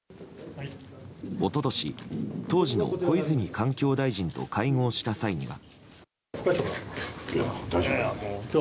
一昨年、当時の小泉環境大臣と会合した際には。